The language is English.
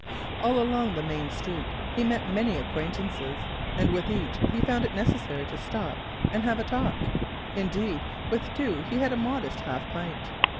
All along the main street he met many acquaintances, and with each he found it necessary to stop and have a talk, indeed with two he had a modest half pint.